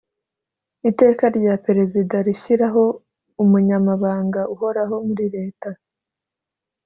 Iteka rya Perezida rishyiraho Umunyamabanga uhoraho muri leta